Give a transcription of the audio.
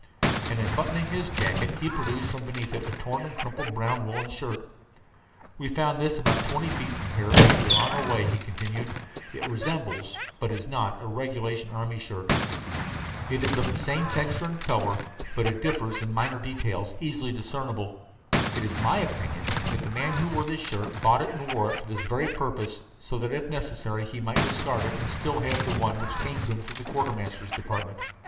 And, unbuttoning his jacket, he produced from beneath it a torn and crumpled brown woolen shirt. "We found this about twenty feet from here as we were on our way," he continued. "It resembles, but it is not, a regulation army shirt. It is of the same texture and color, but it differs in minor details easily discernible. It is my opinion that the man who wore this shirt bought it and wore it for this very purpose, so that, if necessary, he might discard it and still have the one which came to him through the Quartermaster's Department.